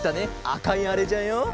あかいあれじゃよ。